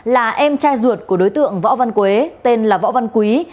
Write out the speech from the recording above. là em trai ruột của đối tượng võ văn quế tên là võ văn quý